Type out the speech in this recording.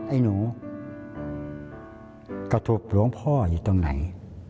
ไอ้หนูกระทบหลวงพ่ออยู่ตรงไหน